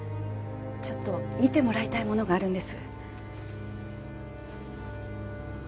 ちょっと見てもらいたいものがあるんです。